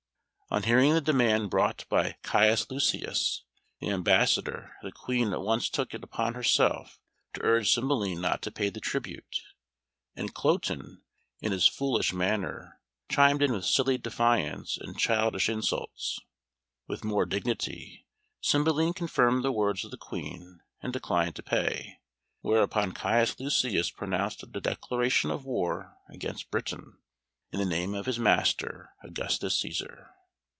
On hearing the demand brought by Caius Lucius, the Ambassador, the Queen at once took it upon herself to urge Cymbeline not to pay the tribute, and Cloten, in his foolish manner, chimed in with silly defiance and childish insults. With more dignity, Cymbeline confirmed the words of the Queen, and declined to pay, whereupon Caius Lucius pronounced a declaration of war against Britain in the name of his master Augustus Cæsar.